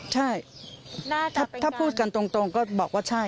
ใช่ถ้าพูดกันตรงก็บอกว่าใช่